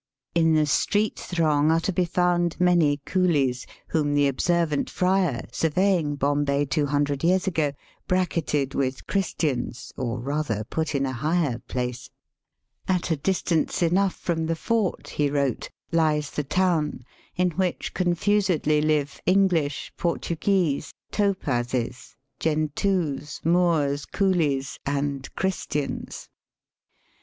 In the street throng are to be found many coolies, whom the observant Fryer, surveying Bombay two hundred years ago, bracketed with Christians, or rather put in a higher place. *^At a distance enough from the Fort," he wrote, ^* Hes the town, in which confusedly live English, Portuguese, Topazes, Gentoos, Moors, Coolies, and Christians." Digitized by VjOOQIC